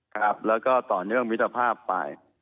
ครับแล้วก็ต่อเนื่องมิตรภาพไป